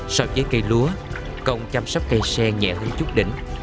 so với cây lúa công chăm sóc cây sen nhẹ hơn chút đỉnh